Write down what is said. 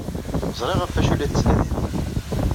Ẓriɣ ɣef wacu ay la tettnadim.